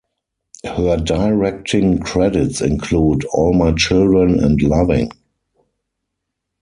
Her directing credits include "All My Children" and "Loving".